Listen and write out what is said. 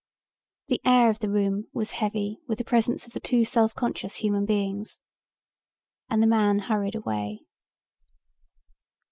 The air of the room was heavy with the presence of the two self conscious human beings, and the man hurried away.